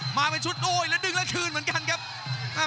ขวางเอาไว้ครับโอ้ยเด้งเตียวคืนครับฝันด้วยศอกซ้าย